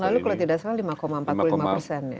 lalu kalau tidak salah lima empat puluh lima persen ya